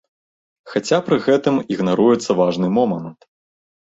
Хаця пры гэтым ігнаруецца важны момант.